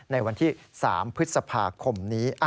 ในวันที่๓พฤษภาคมนี้